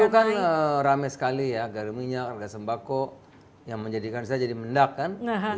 itu kan rame sekali ya harga minyak harga sembako yang menjadikan saya jadi mendak kan